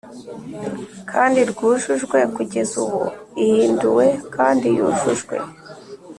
kandi ryujujwe kugeza ubu ihinduwe kandi yujujwe